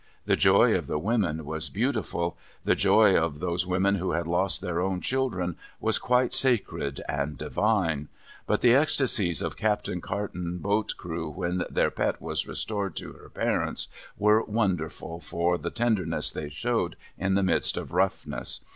The joy of the women was beautiful ; the joy of those women who had lost their own children, was quite MISS MARYON'S BODY GUARD 177 Sacred and divine ; but, the ecstasies of Captain Carton's boat's crew, when their pet was restored to her parents, were wonderful for the tenderness they showed in the midst of roughness.